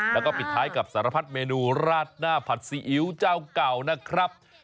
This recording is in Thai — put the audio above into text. แล้วก็ปิดท้ายกับสารพัดเมนูราดหน้าผัดซีอิ๊วเจ้าเก่านะครับ